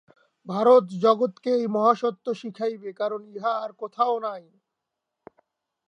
ভারত জগৎকে এই এক মহাসত্য শিখাইবে, কারণ ইহা আর কোথাও নাই।